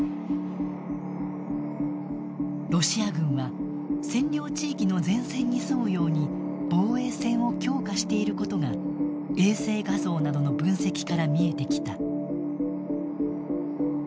ロシア軍は占領地域の前線に沿うように防衛線を強化していることが衛星画像などの分析から見えてきた。